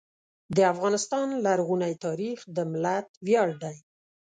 د افغانستان لرغونی تاریخ د ملت ویاړ دی.